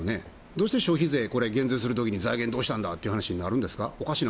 どうして消費税減税する時に財源どうするんだという話になるんですか。